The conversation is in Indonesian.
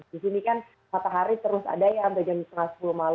di sini kan matahari terus ada ya sampai jam sepuluh tiga puluh malam